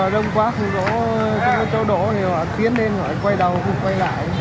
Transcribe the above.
rông quá thì gỗ gỗ cho đổ thì họ tiến lên rồi quay đầu quay lại